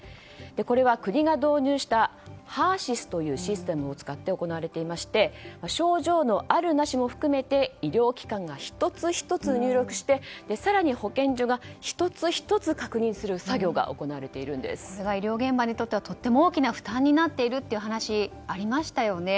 これは国が導入したＨＥＲ‐ＳＹＳというシステムを使って行われていまして症状のある、なしも含めて医療機関が１つ１つ入力して更に保健所が１つ１つ確認する作業が医療現場にとってはとても大きな負担になっているという話がありましたね。